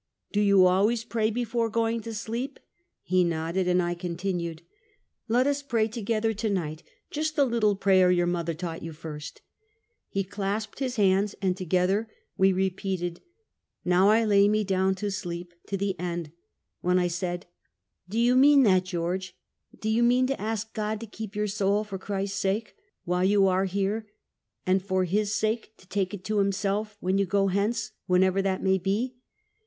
" Do you always pray before going to sleep ?" He nodded, and I contined: " Let us pray together, to night, just the little prayer your mother taught you first." He clasped his hands, and together we repeated "Now I Lay Me Down to Sleep." 327 "ISTow I lay me down to sleep," to the end; when I said: " Do you mean that, George? Do you mean to ask God to keep your soul, for Christ's sake, while you are here; and, for His sake, to take it to Himself when you go hence, whenever that may be?"